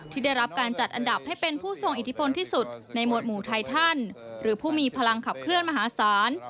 ที่ได้รับการจัดอันดับให้เป็นผู้ทรงอิทธิพลที่สุดในหมวดหมู่ไททันหรือผู้มีพลังขับเคลื่อนมหาศาล